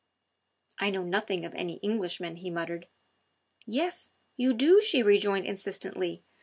"I know nothing of any Englishman," he muttered. "Yes, you do," she rejoined insistently.